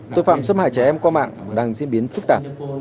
tội phạm xâm hại trẻ em qua mạng đang diễn biến phức tạp